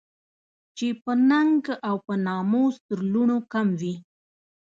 چې په ننګ او په ناموس تر لوڼو کم وي